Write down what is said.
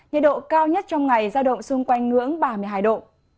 nhiệt độ cao nhất trong ngày giao động xung quanh ngưỡng ba mươi hai độ